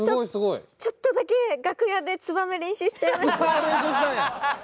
ちょっとだけ楽屋でツバメ練習しちゃいました。